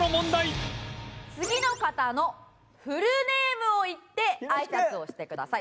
次の方のフルネームを言ってあいさつをしてください。